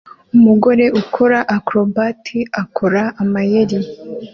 Umugore ukora acrobat ukora amayeri